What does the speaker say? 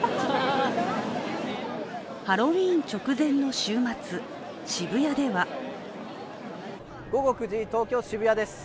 ハロウィーン直前の週末、渋谷では午後９時、東京・渋谷です。